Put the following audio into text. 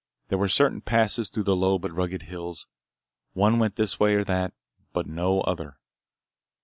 There were certain passes through the low but rugged hills. One went this way or that, but no other.